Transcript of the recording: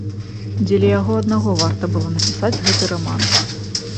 Дзеля яго аднаго варта было напісаць гэты раман.